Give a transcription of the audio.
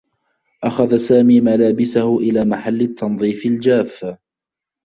أخذ سامي ملابسه إلى محلّ التّنظيف الجاف.